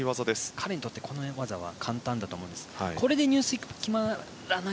彼にとって、この技は簡単だと思うんです。